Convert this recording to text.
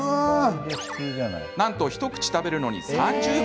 なんと、一口食べるのに３０秒。